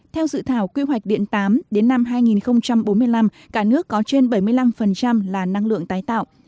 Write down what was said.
theo dự thảo quy hoạch điện tám đến năm hai nghìn bốn mươi năm cả nước có trên bảy mươi năm là năng lượng tái tạo